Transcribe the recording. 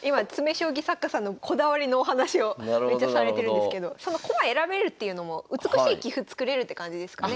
将棋作家さんのこだわりのお話をめっちゃされてるんですけどその駒選べるっていうのも美しい棋譜作れるって感じですかね。